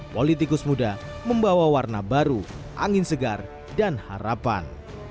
politikus muda membawa warna baru angin segar dan harapan